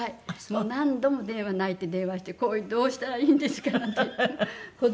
もう何度も電話泣いて電話してこれどうしたらいいんですかって子どもみたいにね。